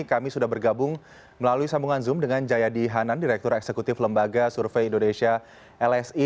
kami sudah bergabung melalui sambungan zoom dengan jayadi hanan direktur eksekutif lembaga survei indonesia lsi